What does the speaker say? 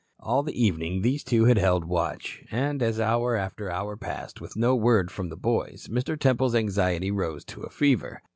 All the evening these two had held watch. And, as hour after hour passed, with no word from the boys, Mr. Temple's anxiety rose to a fever.